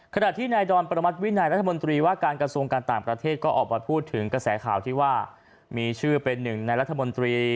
ขณะที่นายดอนประมัติวินัยรัฐมนตรีว่าการกระทรวงการต่างประเทศก็ออกมาพูดถึงกระแสข่าวที่ว่ามีชื่อเป็นหนึ่งในรัฐมนตรี